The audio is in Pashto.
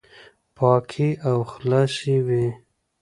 پاکي او خلاصي وي،